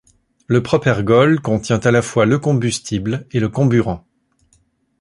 Le propergol contient à la fois le combustible et le comburant.